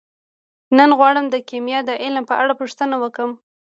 نن غواړم د کیمیا د علم په اړه پوښتنې وکړم.